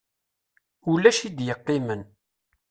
Ulac i d-yeqqimen.